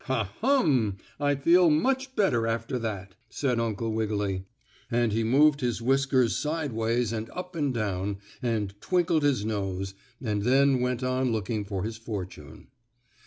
"Ha, hum! I feel much better after that," said Uncle Wiggily, and he moved his whiskers sideways and up and down, and twinkled his nose, and then he went on looking for his fortune.